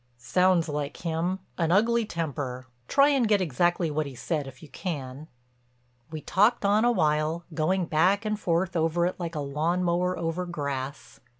"Sounds like him—an ugly temper. Try and get exactly what he said if you can." We talked on a while, going back and forth over it like a lawn mower over grass.